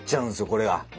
これが。